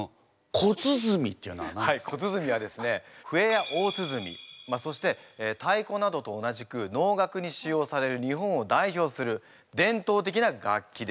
笛や大鼓そして太鼓などと同じく能楽に使用される日本を代表する伝統的な楽器です。